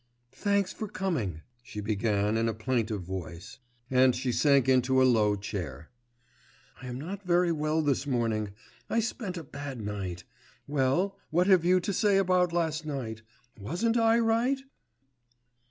'Thanks for coming,' she began in a plaintive voice, and she sank into a low chair. 'I am not very well this morning; I spent a bad night. Well, what have you to say about last night? Wasn't I right?